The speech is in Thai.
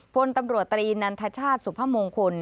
พลตำรวจตรีนันทชาติสุพมงคล